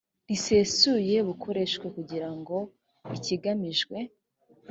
risesuye bukoreshwe kugira ngo ikigamijwe